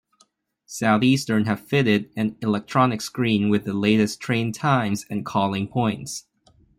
Southeastern have fitted an electronic screen with the latest train times and calling points.